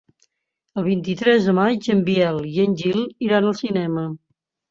El vint-i-tres de maig en Biel i en Gil iran al cinema.